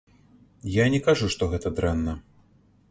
Я не кажу, што гэта дрэнна.